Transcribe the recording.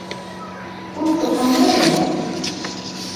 Ут тоҡандырайыммы?